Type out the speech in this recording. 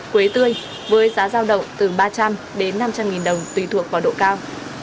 quế tươi với giá giao động từ ba trăm linh đến năm trăm linh nghìn đồng tùy thuộc vào độ cao